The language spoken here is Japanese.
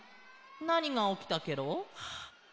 なにがおきたケロ？